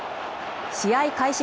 試合開始